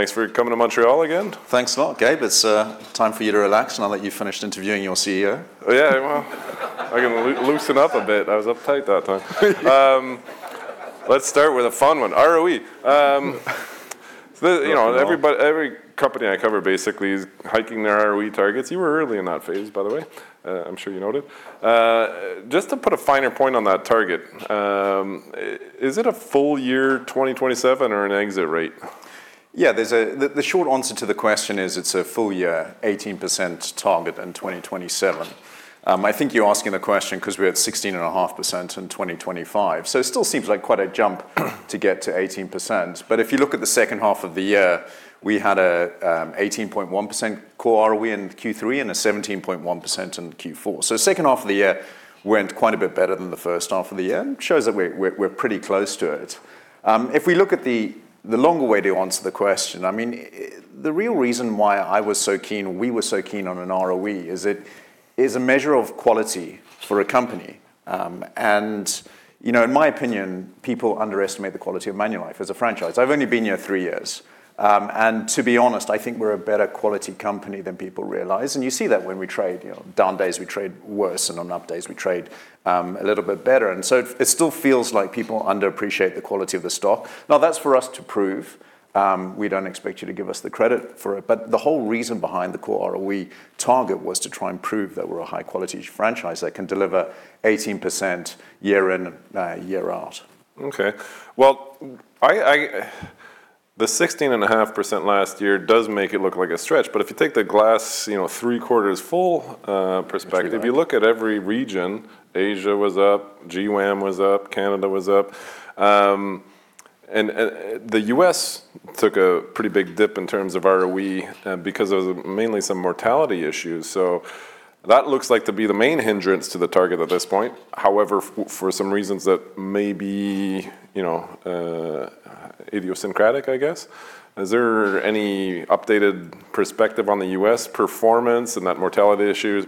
Thanks for coming to Montreal again. Thanks a lot, Gabe. It's time for you to relax, and I'll let you finish interviewing your CEO. Oh, yeah. I can loosen up a bit. I was uptight that time. Let's start with a fun one, ROE. You know. Well. Every company I cover basically is hiking their ROE targets. You were early in that phase, by the way. I'm sure you know it. Just to put a finer point on that target, is it a full year 2027 or an exit rate? Yeah. The short answer to the question is it's a full year 18% target in 2027. I think you're asking the question 'cause we're at 16.5% in 2025, so it still seems like quite a jump to get to 18%. If you look at the second half of the year, we had 18.1% Core ROE in Q3 and 17.1% in Q4. Second half of the year went quite a bit better than the first half of the year. Shows that we're pretty close to it. If we look at the longer way to answer the question, I mean, the real reason why I was so keen, we were so keen on an ROE is it is a measure of quality for a company. You know, in my opinion, people underestimate the quality of Manulife as a franchise. I've only been here three years. To be honest, I think we're a better quality company than people realize, and you see that when we trade. You know, down days we trade worse, and on up days we trade a little bit better. It still feels like people underappreciate the quality of the stock. Now, that's for us to prove. We don't expect you to give us the credit for it. The whole reason behind the Core ROE target was to try and prove that we're a high quality franchise that can deliver 18% year in and year out. Okay. Well, the 16.5% last year does make it look like a stretch. If you take the glass, you know, three-quarters full perspective. True If you look at every region, Asia was up, GWAM was up, Canada was up. And the U.S. took a pretty big dip in terms of ROE, because of mainly some mortality issues. That looks like to be the main hindrance to the target at this point. However, for some reasons that may be, you know, idiosyncratic, I guess. Is there any updated perspective on the U.S. performance and that mortality issues,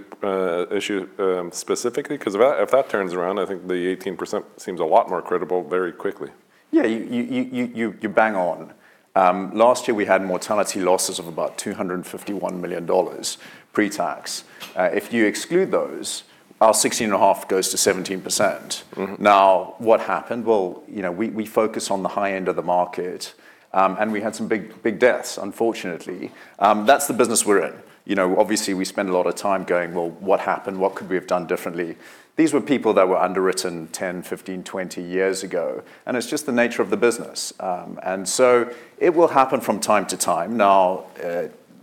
specifically? 'Cause if that turns around, I think the 18% seems a lot more credible very quickly. Yeah. You bang on. Last year we had mortality losses of about 251 million dollars pre-tax. If you exclude those, our 16.5% goes to 17%. Mm-hmm. Now, what happened? Well, you know, we focus on the high end of the market, and we had some big deaths unfortunately. That's the business we're in. You know, obviously we spend a lot of time going, "Well, what happened? What could we have done differently?" These were people that were underwritten 10, 15, 20 years ago, and it's just the nature of the business. It will happen from time to time. Now,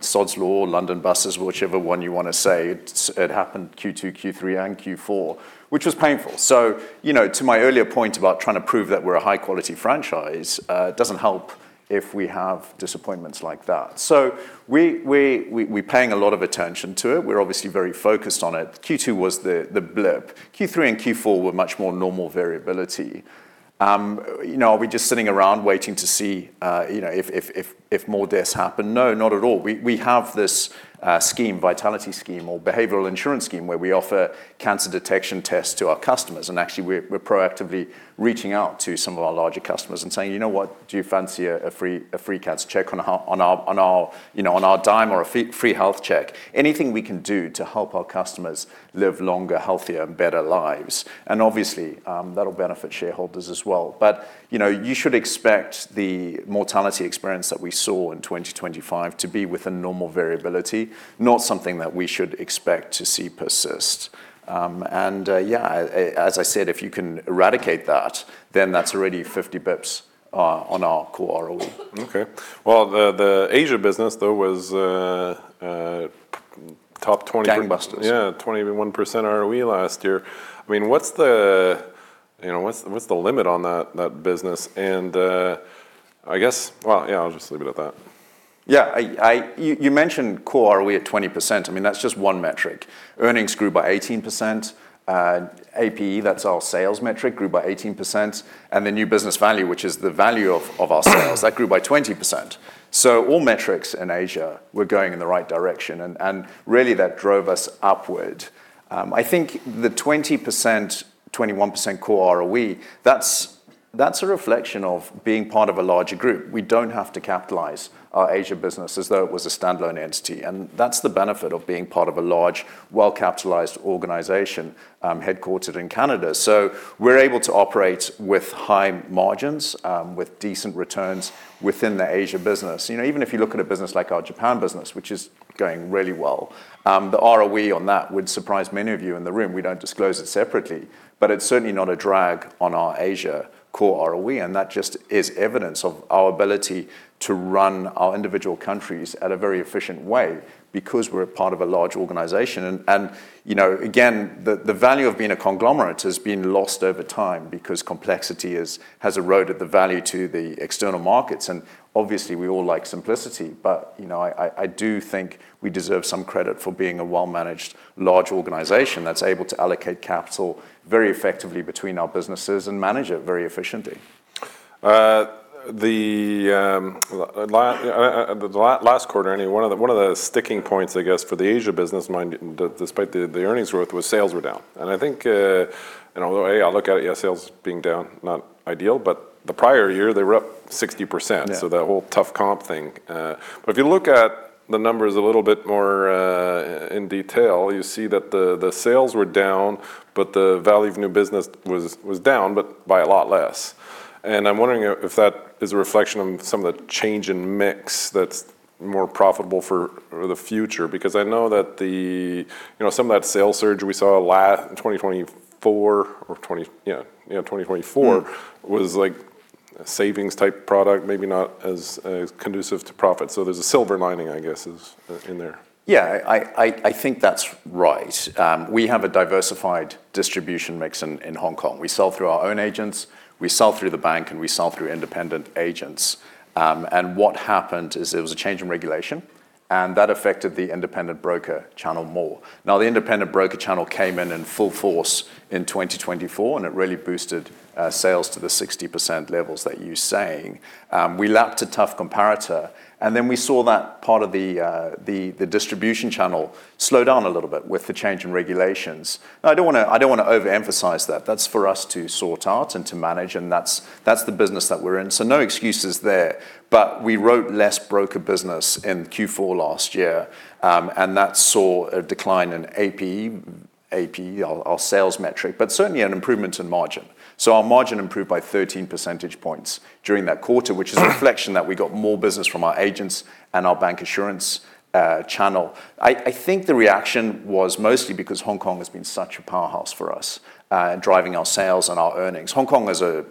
Sod's Law, London buses, whichever one you wanna say, it happened Q2, Q3, and Q4, which was painful. You know, to my earlier point about trying to prove that we're a high quality franchise, it doesn't help if we have disappointments like that. We're paying a lot of attention to it. We're obviously very focused on it. Q2 was the blip. Q3 and Q4 were much more normal variability. You know, are we just sitting around waiting to see you know if more deaths happen? No, not at all. We have this scheme, Vitality scheme or behavioral insurance scheme, where we offer cancer detection tests to our customers, and actually we're proactively reaching out to some of our larger customers and saying, "You know what? Do you fancy a free cancer check on our dime, or a free health check?" Anything we can do to help our customers live longer, healthier, and better lives. Obviously, that'll benefit shareholders as well. You know, you should expect the mortality experience that we saw in 2025 to be within normal variability, not something that we should expect to see persist. As I said, if you can eradicate that, then that's already 50 basis points on our core ROE. Okay. Well, the Asia business though was top 20- Gangbusters. Yeah, 21% ROE last year. I mean, you know, what's the limit on that business? Well, yeah, I'll just leave it at that. Yeah. You mentioned Core ROE at 20%. I mean, that's just one metric. Earnings grew by 18%. APE, that's our sales metric, grew by 18%. And the New Business Value, which is the value of our sales, grew by 20%. All metrics in Asia were going in the right direction and really that drove us upward. I think the 20%, 21% Core ROE, that's a reflection of being part of a larger group. We don't have to capitalize our Asia business as though it was a standalone entity, and that's the benefit of being part of a large, well-capitalized organization, headquartered in Canada. We're able to operate with high margins, with decent returns within the Asia business. You know, even if you look at a business like our Japan business, which is going really well, the ROE on that would surprise many of you in the room. We don't disclose it separately. It's certainly not a drag on our Asia core ROE, and that just is evidence of our ability to run our individual countries at a very efficient way because we're a part of a large organization. You know, again, the value of being a conglomerate has been lost over time because complexity has eroded the value to the external markets. Obviously we all like simplicity but, you know, I do think we deserve some credit for being a well-managed large organization that's able to allocate capital very effectively between our businesses and manage it very efficiently. The last quarter, I mean, one of the sticking points, I guess, for the Asia business, despite the earnings growth, sales were down. I think, although I look at it, yeah, sales being down, not ideal, but the prior year, they were up 60%. Yeah. That whole tough comp thing. If you look at the numbers a little bit more in detail, you see that the sales were down, but the value of new business was down, but by a lot less. I'm wondering if that is a reflection on some of the change in mix that's more profitable for the future, because I know that, you know, some of that sales surge we saw in 2024 or 2020, yeah, you know, 2024 was like a savings type product, maybe not as conducive to profit. There's a silver lining, I guess, is in there. Yeah. I think that's right. We have a diversified distribution mix in Hong Kong. We sell through our own agents, we sell through the bank, and we sell through independent agents. What happened is there was a change in regulation, and that affected the independent broker channel more. Now, the independent broker channel came in in full force in 2024, and it really boosted sales to the 60% levels that you're saying. We lapped a tough comparator, and then we saw that part of the distribution channel slow down a little bit with the change in regulations. I don't wanna overemphasize that. That's for us to sort out and to manage, and that's the business that we're in. No excuses there. We wrote less broker business in Q4 last year, and that saw a decline in APE, our sales metric, but certainly an improvement in margin. Our margin improved by 13 percentage points during that quarter, which is a reflection that we got more business from our agents and our bancassurance channel. I think the reaction was mostly because Hong Kong has been such a powerhouse for us, driving our sales and our earnings. Hong Kong is a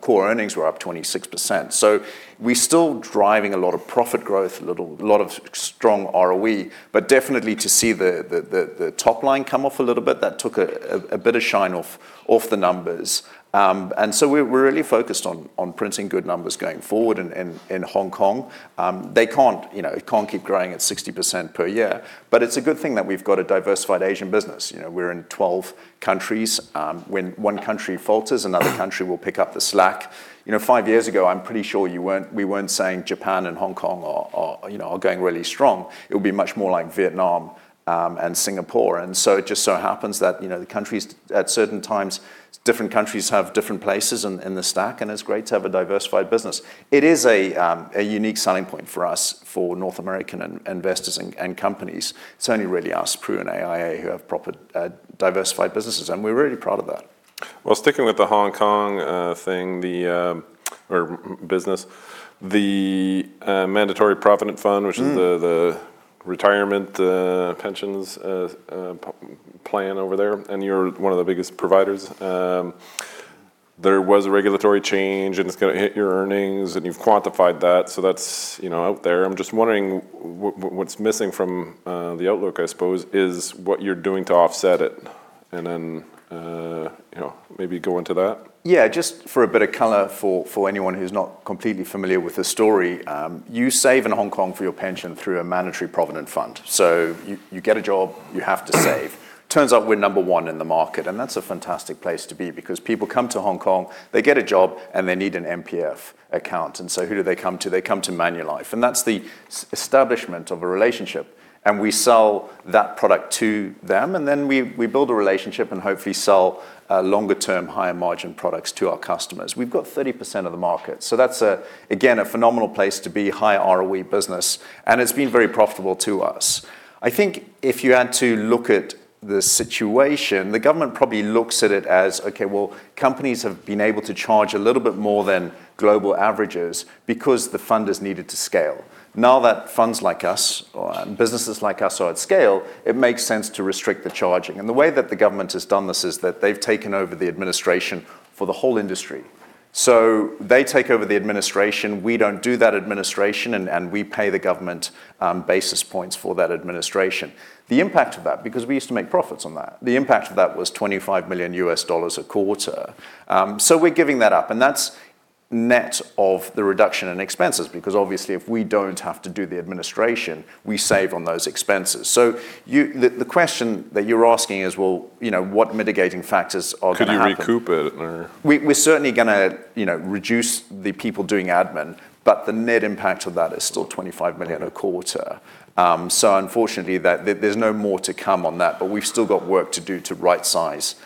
core earnings were up 26%, so we're still driving a lot of profit growth, a lot of strong ROE. Definitely to see the top line come off a little bit, that took a bit of shine off the numbers. We're really focused on printing good numbers going forward in Hong Kong. They can't, you know, it can't keep growing at 60% per year. It's a good thing that we've got a diversified Asian business. You know, we're in 12 countries. When one country falters, another country will pick up the slack. You know, five years ago, I'm pretty sure we weren't saying Japan and Hong Kong are, you know, going really strong. It would be much more like Vietnam and Singapore. It just so happens that, you know, the countries at certain times, different countries have different places in the stack, and it's great to have a diversified business. It is a unique selling point for us, for North American investors and companies. It's only really us, Pru and AIA who have proper, diversified businesses, and we're really proud of that. Well, sticking with the Hong Kong business, the Mandatory Provident Fund the retirement pension plan over there, and you're one of the biggest providers. There was a regulatory change, and it's gonna hit your earnings and you've quantified that. That's, you know, out there. I'm just wondering what's missing from the outlook, I suppose, is what you're doing to offset it. You know, maybe go into that. Yeah, just for a bit of color for anyone who's not completely familiar with the story, you save in Hong Kong for your pension through a mandatory provident fund. You get a job, you have to save. Turns out we're number one in the market, and that's a fantastic place to be because people come to Hong Kong, they get a job and they need an MPF account. Who do they come to? They come to Manulife, and that's the establishment of a relationship. We sell that product to them, and then we build a relationship and hopefully sell longer term, higher margin products to our customers. We've got 30% of the market. That's again a phenomenal place to be, high ROE business, and it's been very profitable to us. I think if you had to look at the situation, the government probably looks at it as, okay, well, companies have been able to charge a little bit more than global averages because the fund is needed to scale. Now that funds like us or businesses like us are at scale, it makes sense to restrict the charging. The way that the government has done this is that they've taken over the administration for the whole industry. They take over the administration. We don't do that administration, and we pay the government basis points for that administration. The impact of that, because we used to make profits on that, the impact of that was $25 million a quarter. We're giving that up, and that's net of the reduction in expenses, because obviously, if we don't have to do the administration, we save on those expenses. The question that you're asking is, well, you know, what mitigating factors are gonna happen? Could you recoup it or? We're certainly gonna, you know, reduce the people doing admin, but the net impact of that is still 25 million a quarter. Unfortunately, there's no more to come on that. We've still got work to do to right-size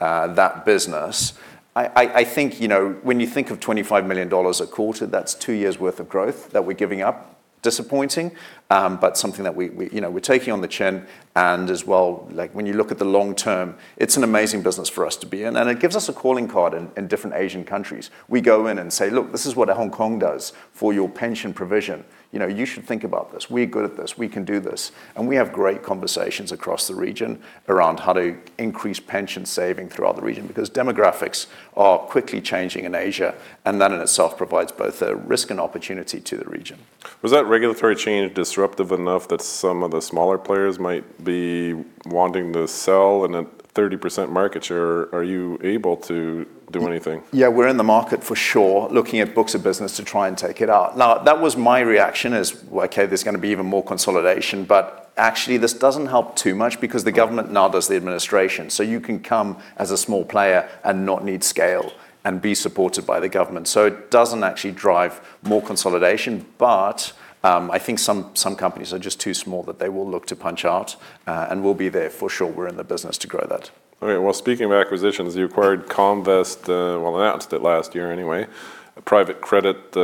that business. I think, you know, when you think of 25 million dollars a quarter, that's two years worth of growth that we're giving up. Disappointing, but something that we, you know, we're taking on the chin and as well, like, when you look at the long term, it's an amazing business for us to be in. It gives us a calling card in different Asian countries. We go in and say, "Look, this is what Hong Kong does for your pension provision. You know, you should think about this. We're good at this. We can do this. We have great conversations across the region around how to increase pension saving throughout the region because demographics are quickly changing in Asia, and that in itself provides both a risk and opportunity to the region. Was that regulatory change disruptive enough that some of the smaller players might be wanting to sell? In a 30% market share, are you able to do anything? Yeah, we're in the market for sure, looking at books of business to try and take it out. Now, that was my reaction is, okay, there's gonna be even more consolidation, but actually this doesn't help too much because the government now does the administration. You can come as a small player and not need scale and be supported by the government. It doesn't actually drive more consolidation. I think some companies are just too small that they will look to punch out, and we'll be there for sure. We're in the business to grow that. All right. Well, speaking of acquisitions, you acquired Comvest, well, announced it last year anyway, a private credit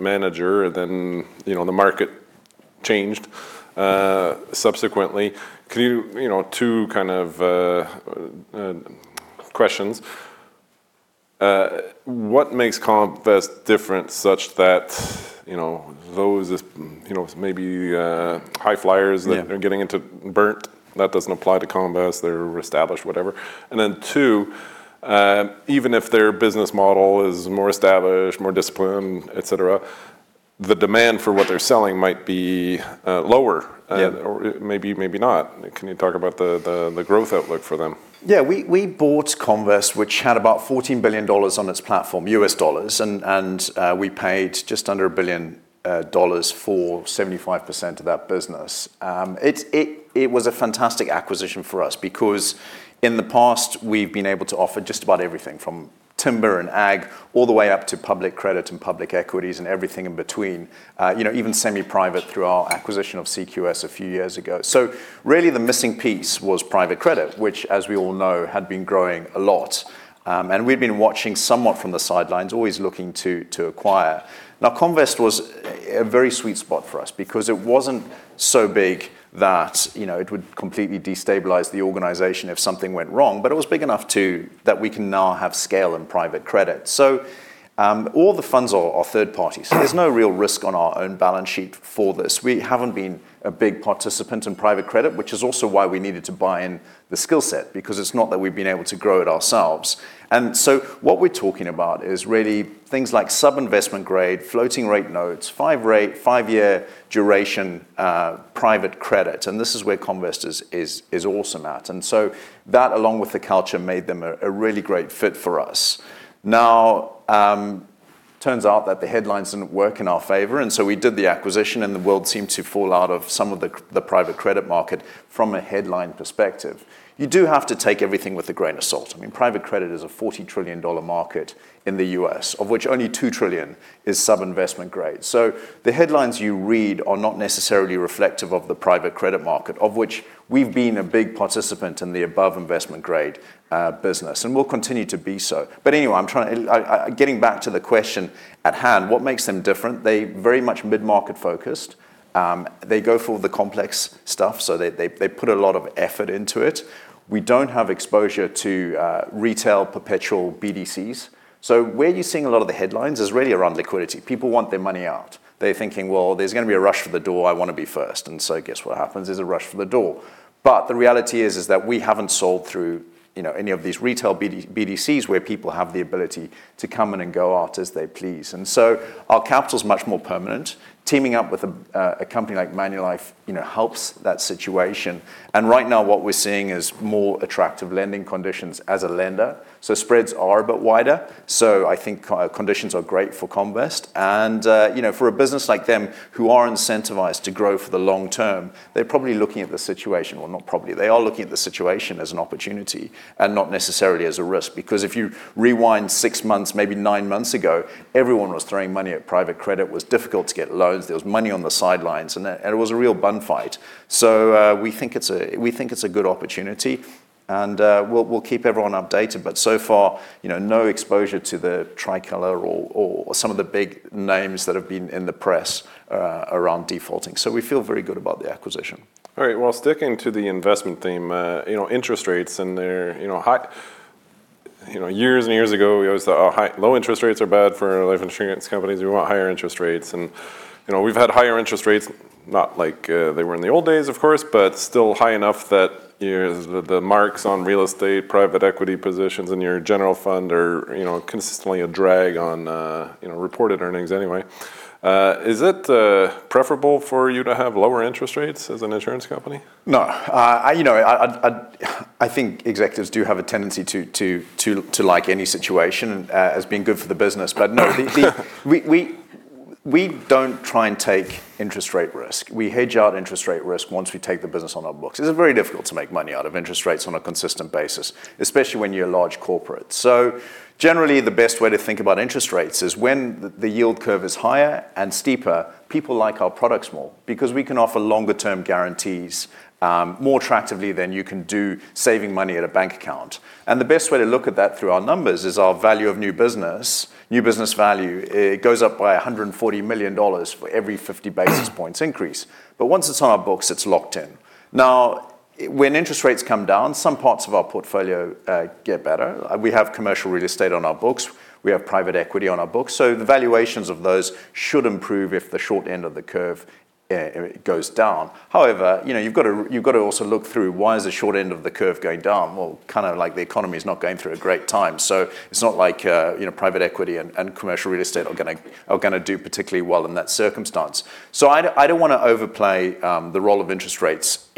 manager, and then, you know, the market changed, subsequently. Can you know, two kind of questions. What makes Comvest different such that, you know, those, you know, maybe, high flyers- Yeah... that are getting into BDCs, that doesn't apply to Comvest, they're established, whatever. Two, even if their business model is more established, more disciplined, et cetera, the demand for what they're selling might be lower- Yeah Maybe, maybe not. Can you talk about the growth outlook for them? Yeah. We bought Comvest, which had about $14 billion on its platform, US dollars, and we paid just under $1 billion for 75% of that business. It was a fantastic acquisition for us because in the past we've been able to offer just about everything from timber and ag all the way up to public credit and public equities and everything in between. You know, even semi-private through our acquisition of CQS a few years ago. Really the missing piece was private credit, which as we all know, had been growing a lot. We'd been watching somewhat from the sidelines, always looking to acquire. Comvest was a very sweet spot for us because it wasn't so big that, you know, it would completely destabilize the organization if something went wrong, but it was big enough to that we can now have scale and private credit. All the funds are third party, so there's no real risk on our own balance sheet for this. We haven't been a big participant in private credit, which is also why we needed to buy in the skill set, because it's not that we've been able to grow it ourselves. What we're talking about is really things like sub-investment grade, floating rate notes, five rate, five year duration, private credit, and this is where Comvest is awesome at. That along with the culture made them a really great fit for us. Now, turns out that the headlines didn't work in our favor, and so we did the acquisition and the world seemed to fall out of some of the private credit market from a headline perspective. You do have to take everything with a grain of salt. I mean, private credit is a $40 trillion market in the U.S., of which only $2 trillion is sub-investment grade. The headlines you read are not necessarily reflective of the private credit market, of which we've been a big participant in the above investment grade business, and we'll continue to be so. Anyway, I'm getting back to the question at hand, what makes them different? They very much mid-market focused. They go for the complex stuff, so they put a lot of effort into it. We don't have exposure to retail perpetual BDCs. Where you're seeing a lot of the headlines is really around liquidity. People want their money out. They're thinking, "Well, there's gonna be a rush for the door. I wanna be first." Guess what happens is a rush for the door. The reality is that we haven't sold through, you know, any of these retail BDCs where people have the ability to come in and go out as they please. Our capital's much more permanent. Teaming up with a company like Manulife, you know, helps that situation. Right now what we're seeing is more attractive lending conditions as a lender. Spreads are a bit wider. I think conditions are great for Comvest. You know, for a business like them who are incentivized to grow for the long term, they're probably looking at the situation. Well, not probably. They are looking at the situation as an opportunity and not necessarily as a risk. Because if you rewind six months, maybe nine months ago, everyone was throwing money at private credit, it was difficult to get loans, there was money on the sidelines and it was a real bun fight. We think it's a good opportunity and we'll keep everyone updated, but so far, you know, no exposure to the Tricolor or some of the big names that have been in the press around defaulting. We feel very good about the acquisition. All right. Well, sticking to the investment theme, you know, interest rates and they're, you know, high. You know, years and years ago, we always thought how low interest rates are bad for life insurance companies. We want higher interest rates, and, you know, we've had higher interest rates, not like they were in the old days, of course, but still high enough that yeah, the marks on real estate, private equity positions in your general fund are, you know, consistently a drag on, you know, reported earnings anyway. Is it preferable for you to have lower interest rates as an insurance company? No. You know, I think executives do have a tendency to like any situation as being good for the business. We don't try and take interest rate risk. We hedge out interest rate risk once we take the business on our books. It's very difficult to make money out of interest rates on a consistent basis, especially when you're a large corporate. So generally, the best way to think about interest rates is when the yield curve is higher and steeper, people like our products more because we can offer longer term guarantees more attractively than you can do saving money at a bank account. The best way to look at that through our numbers is our Value of New Business. New Business Value, it goes up by 140 million dollars for every 50 basis points increase, but once it's on our books, it's locked in. Now, when interest rates come down, some parts of our portfolio get better. We have commercial real estate on our books, we have private equity on our books, so the valuations of those should improve if the short end of the curve it goes down. However, you know, you've got to also look through why is the short end of the curve going down? Well, kind of like the economy's not going through a great time, so it's not like you know, private equity and commercial real estate are gonna do particularly well in that circumstance. I don't wanna overplay the role of interest rates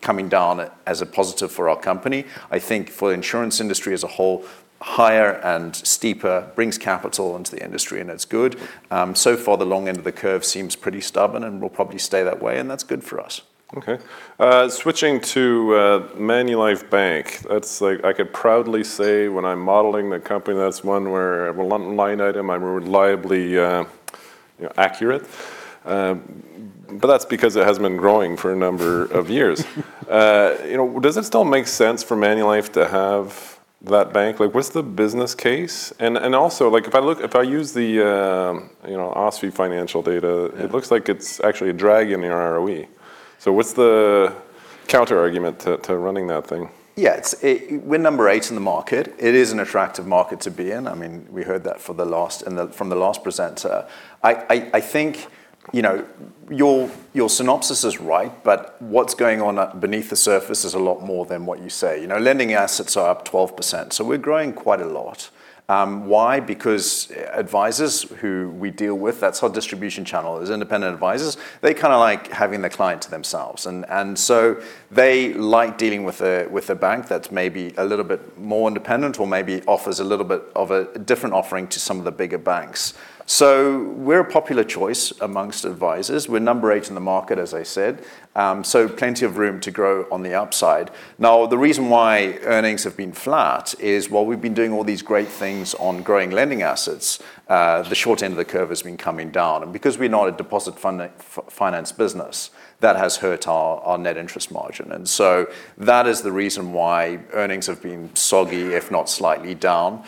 coming down as a positive for our company. I think for the insurance industry as a whole. Higher and steeper brings capital into the industry, and it's good. So far, the long end of the curve seems pretty stubborn and will probably stay that way, and that's good for us. Okay. Switching to Manulife Bank. That's like, I could proudly say when I'm modeling the company, that's one where one line item I reliably accurate. That's because it has been growing for a number of years. Does it still make sense for Manulife to have that bank? Like, what's the business case? Also, like, if I use the OSFI financial data- Yeah. It looks like it's actually a drag in your ROE. What's the counterargument to running that thing? Yeah. We're number eight in the market. It is an attractive market to be in. I mean, we heard that from the last presenter. I think, you know, your synopsis is right, but what's going on beneath the surface is a lot more than what you say. You know, lending assets are up 12%, so we're growing quite a lot. Why? Because advisors who we deal with, that's our distribution channel, is independent advisors, they kinda like having the client to themselves. So they like dealing with a bank that's maybe a little bit more independent or maybe offers a little bit of a different offering to some of the bigger banks. We're a popular choice among advisors. We're number eight in the market, as I said. Plenty of room to grow on the upside. Now, the reason why earnings have been flat is while we've been doing all these great things on growing lending assets, the short end of the curve has been coming down. Because we're not a deposit-funded finance business, that has hurt our net interest margin. That is the reason why earnings have been soggy, if not slightly down.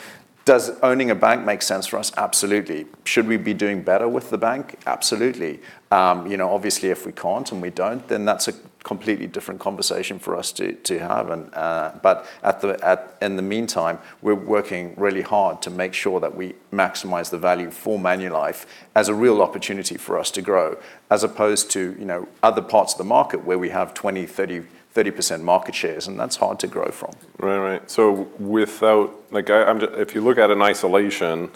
Does owning a bank make sense for us? Absolutely. Should we be doing better with the bank? Absolutely. You know, obviously, if we can't and we don't, then that's a completely different conversation for us to have, but at the... In the meantime, we're working really hard to make sure that we maximize the value for Manulife as a real opportunity for us to grow, as opposed to, you know, other parts of the market where we have 20, 30% market shares, and that's hard to grow from. Right. Like, if you look in isolation,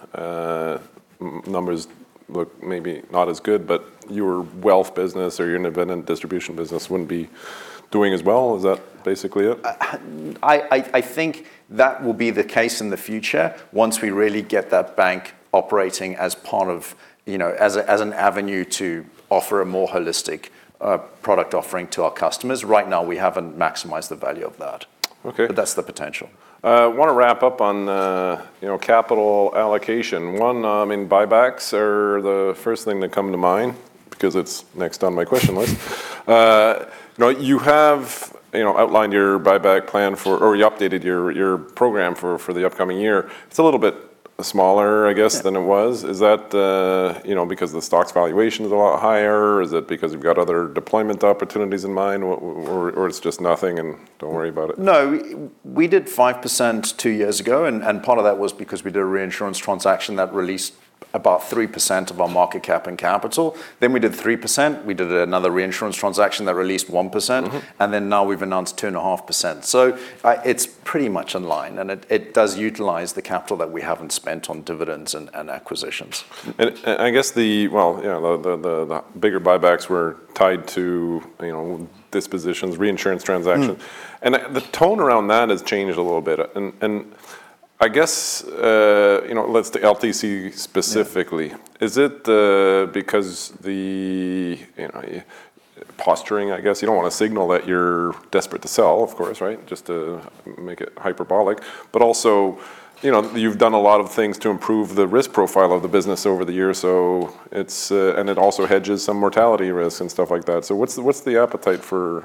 numbers look maybe not as good, but your wealth business or your independent distribution business wouldn't be doing as well. Is that basically it? I think that will be the case in the future once we really get that bank operating as part of, you know, as an avenue to offer a more holistic product offering to our customers. Right now, we haven't maximized the value of that. Okay. That's the potential. Wanna wrap up on, you know, capital allocation. One, I mean, buybacks are the first thing that come to mind because it's next on my question list. You know, you have, you know, outlined your buyback plan for or you updated your program for the upcoming year. It's a little bit smaller, I guess. Yeah... than it was. Is that, you know, because the stock's valuation is a lot higher? Is it because you've got other deployment opportunities in mind? Or it's just nothing and don't worry about it? No. We did 5% two years ago, and part of that was because we did a reinsurance transaction that released about 3% of our market cap and capital. We did 3%. We did another reinsurance transaction that released 1%. Mm-hmm. Now we've announced 2.5%. It's pretty much in line, and it does utilize the capital that we haven't spent on dividends and acquisitions. I guess well, you know, the bigger buybacks were tied to, you know, dispositions, reinsurance transactions. Mm. The tone around that has changed a little bit. I guess, you know, let's the LTC specifically. Yeah. Is it because, you know, posturing, I guess? You don't wanna signal that you're desperate to sell, of course, right? Just to make it hyperbolic. Also, you know, you've done a lot of things to improve the risk profile of the business over the years, so it's, and it also hedges some mortality risks and stuff like that. What's the appetite for-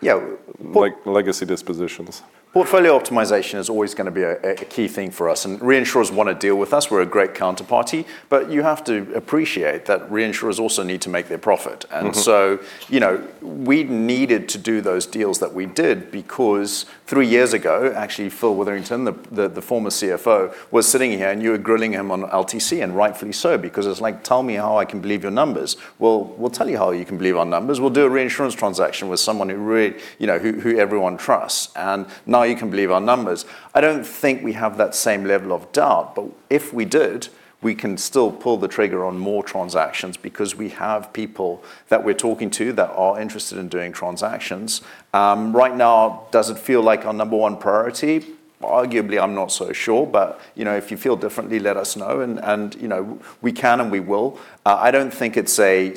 Yeah. Like, legacy dispositions? Portfolio optimization is always gonna be a key thing for us. Reinsurers wanna deal with us. We're a great counterparty. You have to appreciate that reinsurers also need to make their profit. Mm-hmm. You know, we needed to do those deals that we did because three years ago, actually, Phil Witherington, the former CFO, was sitting here, and you were grilling him on LTC, and rightfully so, because it's like, "Tell me how I can believe your numbers." Well, we'll tell you how you can believe our numbers. We'll do a reinsurance transaction with someone who really, you know, who everyone trusts, and now you can believe our numbers. I don't think we have that same level of doubt, but if we did, we can still pull the trigger on more transactions because we have people that we're talking to that are interested in doing transactions. Right now, does it feel like our number one priority? Arguably, I'm not so sure. You know, if you feel differently, let us know, and you know, we can and we will. I don't think it's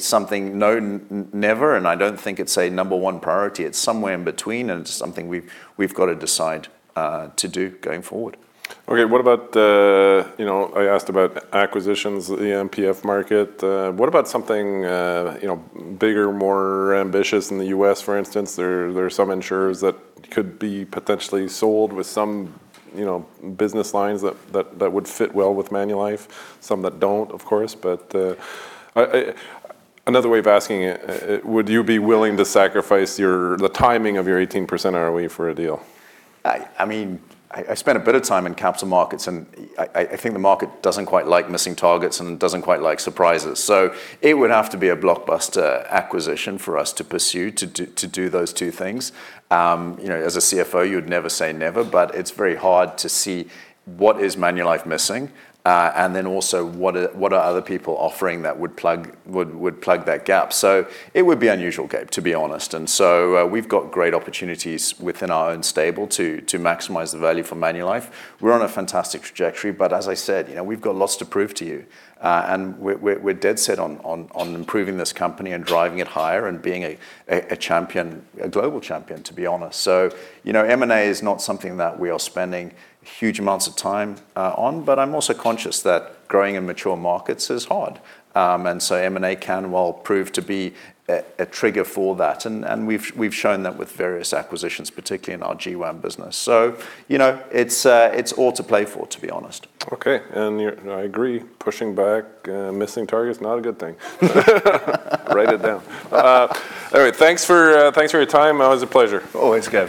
something, no, never, and I don't think it's number one priority. It's somewhere in between, and it's something we've got to decide to do going forward. Okay. What about, you know, I asked about acquisitions, the MPF market. What about something, you know, bigger, more ambitious in the U.S., for instance? There are some insurers that could be potentially sold with some, you know, business lines that would fit well with Manulife. Some that don't, of course. Another way of asking it, would you be willing to sacrifice the timing of your 18% ROE for a deal? I mean, I spent a bit of time in capital markets, and I think the market doesn't quite like missing targets and doesn't quite like surprises. It would have to be a blockbuster acquisition for us to pursue to do those two things. You know, as a CFO, you'd never say never, but it's very hard to see what is Manulife missing, and then also what are other people offering that would plug that gap. It would be unusual, Gabe, to be honest. We've got great opportunities within our own stable to maximize the value for Manulife. We're on a fantastic trajectory, but as I said, you know, we've got lots to prove to you. We're dead set on improving this company and driving it higher and being a champion, a global champion, to be honest. You know, M&A is not something that we are spending huge amounts of time on, but I'm also conscious that growing in mature markets is hard. M&A can well prove to be a trigger for that. We've shown that with various acquisitions, particularly in our GWAM business. You know, it's all to play for, to be honest. Okay. I agree. Pushing back, missing target is not a good thing. Write it down. All right. Thanks for your time. Always a pleasure. Always, Gabe.